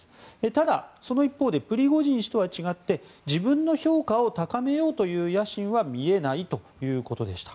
ただ、その一方でプリゴジン氏とは違って自分の評価を高めようという野心は見えないということでした。